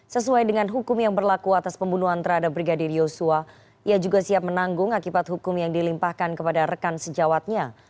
sesuai dengan hukum yang berlaku atas pembunuhan terhadap brigadir yosua ia juga siap menanggung akibat hukum yang dilimpahkan kepada rekan sejawatnya